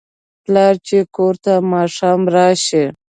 پلار چې کور ته ماښام راشي